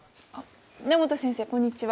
根元先生こんにちは。